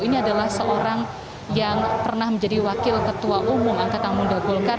ini adalah seorang yang pernah menjadi wakil ketua umum angkatan muda golkar